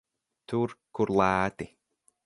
Tur, kur lēti.